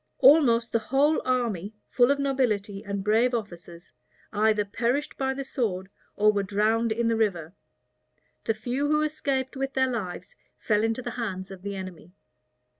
All most the whole army, full of nobility and brave officers, either perished by the sword or were drowned in the river. The few who escaped with their lives fell into the hands of the enemy.